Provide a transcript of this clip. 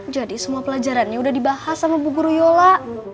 jadi semua pelajarannya udah dibahas sama bu guru yola